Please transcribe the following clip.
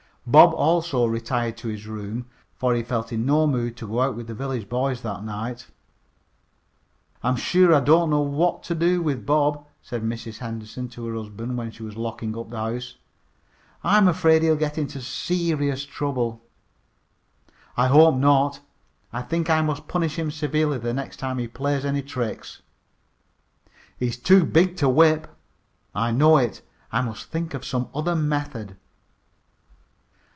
Bob also retired to his room, for he felt in no mood to go out with the village boys that night. "I'm sure I don't know what to do with Bob," said Mrs. Henderson to her husband when she was locking up the house. "I'm afraid he'll get into serious trouble." "I hope not. I think I must punish him severely the next time he plays any tricks." "He is too big to whip." "I know it. I must think of some other method."